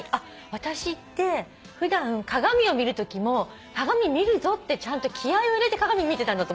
私って普段鏡を見るときも鏡見るぞってちゃんと気合を入れて鏡見てたんだと思ったの。